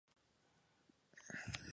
Cladograma según Coria "et al.